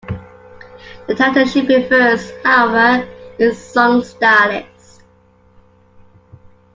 The title she prefers, however, is "song stylist".